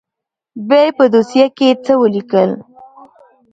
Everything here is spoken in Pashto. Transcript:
بيا يې په دوسيه کښې څه وليکل.